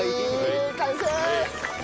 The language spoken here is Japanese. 完成！